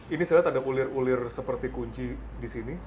ini saya lihat ada ulir ulir seperti kunci di sini